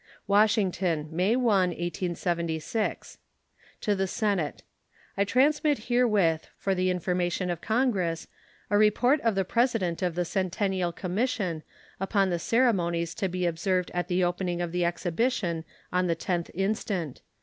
WASHINGTON, May 1, 1876. To the Senate: I transmit herewith, for the information of Congress, a report of the president of the Centennial Commission upon the ceremonies to be observed at the opening of the exhibition on the 10th instant.